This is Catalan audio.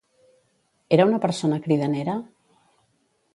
Era una persona cridanera?